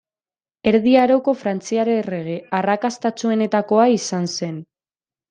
Erdi Aroko frantziar errege arrakastatsuenetakoa izan zen.